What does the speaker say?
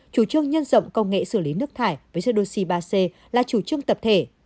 chủ trương nhân rộng công nghệ xử lý nước thải với edgosi ba c là chủ trương tập thể